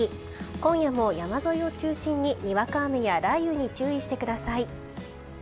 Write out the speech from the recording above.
今夜も山沿いを中心ににわか雨や雷雨に注意してください。